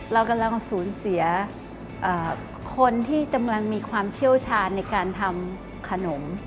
เรากำลังสูญเสียคนที่กำลังมีความเชี่ยวชาญในการทำขนม